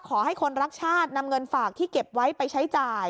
ขอให้คนรักชาตินำเงินฝากที่เก็บไว้ไปใช้จ่าย